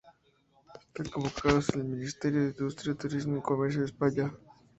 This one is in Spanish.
Están convocados por el Ministerio de Industria Turismo y Comercio de España.